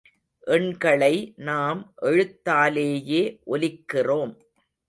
எண்களை நாம் எழுத்தாலேயே ஒலிக்கிறோம்.